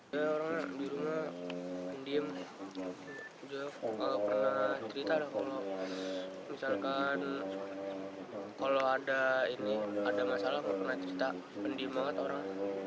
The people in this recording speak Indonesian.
ya orang di rumah pendiam kalau pernah cerita kalau misalkan kalau ada masalah pernah cerita pendiam banget orang